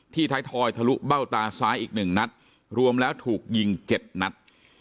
ท้ายทอยทะลุเบ้าตาซ้ายอีก๑นัดรวมแล้วถูกยิง๗นัด